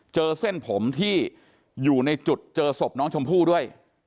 เส้นผมที่อยู่ในจุดเจอศพน้องชมพู่ด้วย